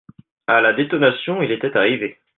À la détonation, il était arrivé.